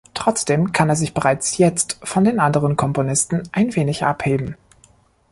Trotzdem kann er sich bereits jetzt von den anderen Komponisten ein wenig abheben.